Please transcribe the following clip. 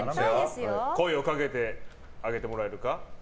声をかけてあげてもらえるか。